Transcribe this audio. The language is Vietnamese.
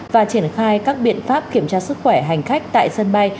và triển khai các biện pháp kiểm tra sức khỏe hành khách tại sân bay